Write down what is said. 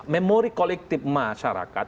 memori kolektif masyarakat